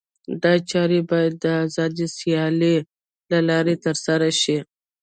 دا چارې باید د آزادې سیالۍ له لارې ترسره شي.